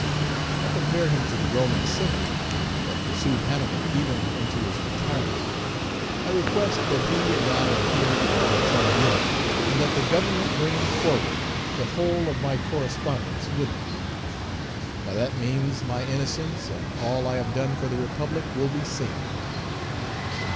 I compare him to the Roman Senate, that pursued Hannibal even into his retirement. I request that he and I may appear before a tribunal, and that the Government bring forward the whole of my correspondence with him. By that means, my innocence, and all I have done for the Republic, will be seen.